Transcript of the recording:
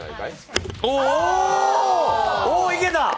おー、いけた！